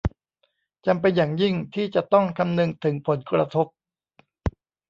จำเป็นอย่างยิ่งที่จะต้องคำนึงถึงผลกระทบ